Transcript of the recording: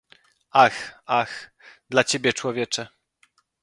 Ach! ach! dla ciebie człowiecze,